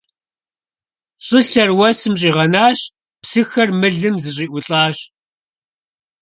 ЩӀылъэр уэсым щӀигъэнащ, псыхэр мылым зэщӀиӀулӀащ.